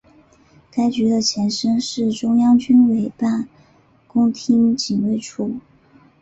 该局的前身是中央军委办公厅警卫处。